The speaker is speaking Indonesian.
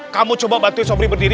kamu coba bantu sombri berdiri